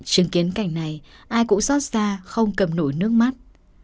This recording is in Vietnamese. chứng kiến cảnh này ai cũng xót xa không cầm nổi nước mắt